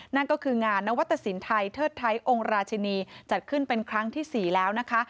นั่นก็คืองานนวัตตสินไทยเทิดไทยองค์ราชินีจัดขึ้นเป็นครั้งที่๔แล้วนะคะ